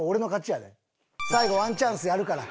最後ワンチャンスやるから。